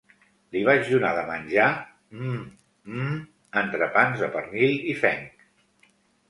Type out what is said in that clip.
Li vaig donar de menjar, mmm, mmm, entrepans de pernil i fenc.